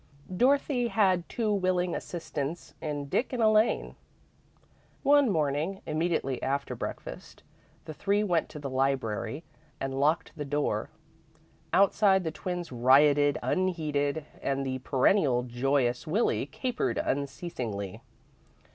Dorothy had two willing assistants in Dick and Elaine. One morning, immediately after breakfast, the three went to the library and locked the door. Outside, the twins rioted unheeded and the perennially joyous Willie capered unceasingly.